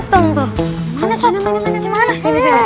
jangan pengen mati aja